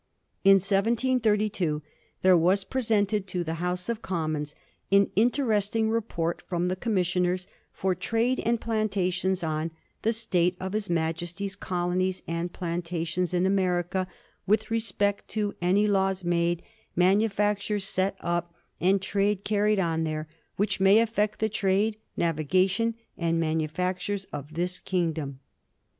In 1732 there was presented to the House of Commons an interesting report from the Commis sioners for Trade and Plantations on *the state of his Majesty's colonies and plantations in America, with respect to any laws made, manufactures set up, and trade carried on there, which may affect the trade, navigation, and manufactures of this kingdom.'